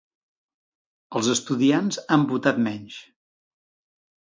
Els estudiants han votat menys.